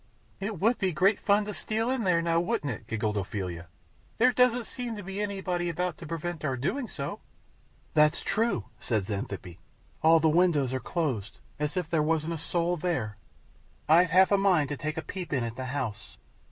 "It would be great fun to steal in there now, wouldn't it," giggled Ophelia. "There doesn't seem to be anybody about to prevent our doing so." "That's true," said Xanthippe. "All the windows are closed, as if there wasn't a soul there. I've half a mind to take a peep in at the house."